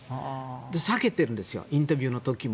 避けているんですよインタビューの時も。